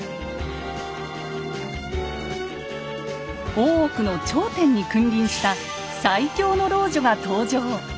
大奥の頂点に君臨した最強の老女が登場。